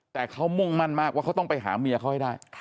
แต่เขามุ่งมั่นมากว่าเขาต้องไปหาเมียเขาให้ได้